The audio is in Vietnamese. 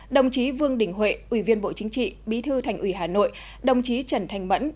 đồng chí vương đình huệ ủy viên bộ chính trị bí thư thành ủy hà nội đồng chí trần thanh mẫn